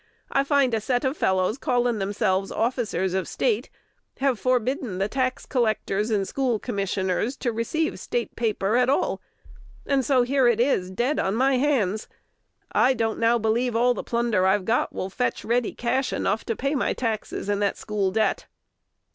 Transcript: I find a set of fellows calling themselves officers of State have forbidden the tax collectors and school commissioners to receive State paper at all; and so here it is, dead on my hands. I don't now believe all the plunder I've got will fetch ready cash enough to pay my taxes and that school debt."